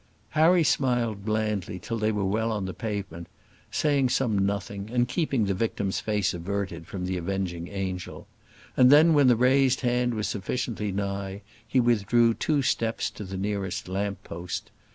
Harry smiled blandly till they were well on the pavement, saying some nothing, and keeping the victim's face averted from the avenging angel; and then, when the raised hand was sufficiently nigh, he withdrew two steps towards the nearest lamp post.